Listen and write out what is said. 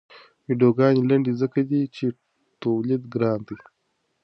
ویډیوګانې لنډې ځکه دي چې تولید ګران دی.